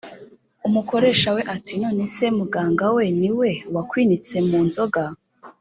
” umukoresha we ati : “nonese muganga ni we wakwinitsemu nzoga?”.